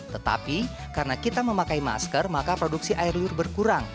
tetapi karena kita memakai masker maka produksi air lur berkurang